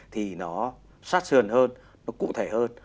thì nó sát sườn hơn nó cụ thể hơn